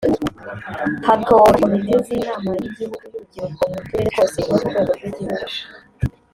hatora Komite z’Inama y’igihugu y’Urubyiruko mu turere twose no ku rwego rw’igihugu